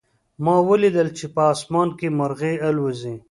ما ولیدل چې په آسمان کې مرغۍ الوزي